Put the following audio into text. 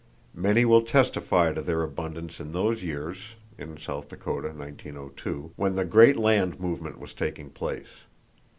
Many will testify to their abundance in those years [in South Dakota, 1902] when the great land movement was taking place.